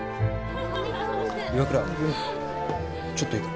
岩倉ちょっといいか？